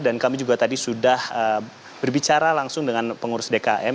dan kami juga tadi sudah berbicara langsung dengan pengurus dkm